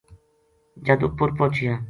جد اپر پوہچیا